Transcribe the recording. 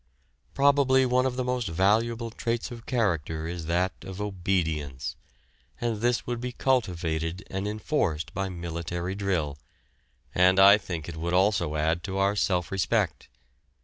Probably one of the most valuable traits of character is that of "obedience," and this would be cultivated and enforced by military drill, and I think it would also add to our self respect.